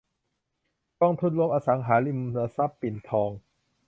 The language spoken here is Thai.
กองทุนรวมอสังหาริมทรัพย์ปิ่นทอง